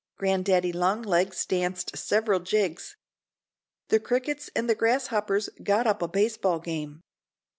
Grandaddy long legs danced several jigs. The crickets and the grasshoppers got up a baseball game.